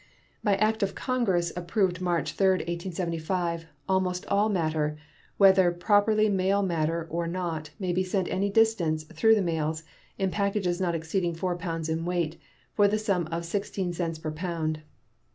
By act of Congress approved March 3, 1875, almost all matter, whether properly mail matter or not, may be sent any distance through the mails, in packages not exceeding 4 pounds in weight, for the sum of 16 cents per pound.